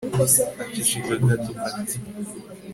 aceceka gato ati